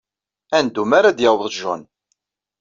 Ad neddu mi ara d-yaweḍ John.